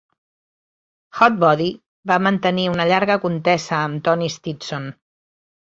Hotbody va mantenir una llarga contesa amb Tony Stetson.